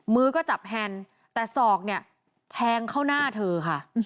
มือก็จับแฮนด์แต่ศอกเนี่ยแทงเข้าหน้าเธอค่ะ